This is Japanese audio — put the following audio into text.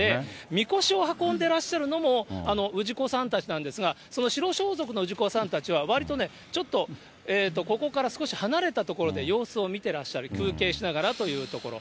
みこしを運んでらっしゃるのも、氏子さんたちなんですが、その白装束の氏子さんたちは、わりとちょっとここから少し離れた所で様子を見てらっしゃる、休憩しながらというところ。